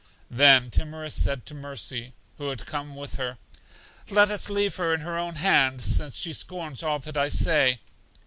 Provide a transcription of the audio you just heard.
Then Timorous said to Mercy (who had come with her): Let us leave her in her own hands, since she scorns all that I say.